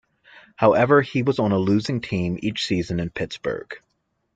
However, he was on a losing team each season in Pittsburgh.